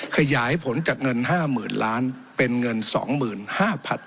ขยายผลจากเงินห้าหมื่นล้านเป็นเงินสองหมื่นห้าผัด